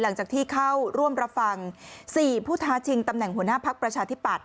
หลังจากที่เข้าร่วมรับฟัง๔ผู้ท้าชิงตำแหน่งหัวหน้าพักประชาธิปัตย